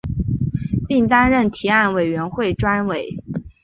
并担任提案委员会专委。